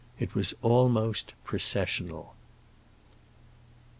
It was almost processional.